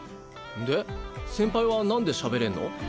で先輩はなんでしゃべれんの？